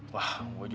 wah gue juga nggak tau